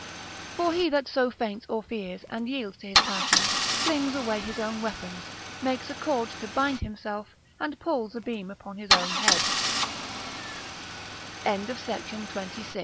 For he that so faints or fears, and yields to his passion, flings away his own weapons, makes a cord to bind himself, and pulls a beam upon his own hea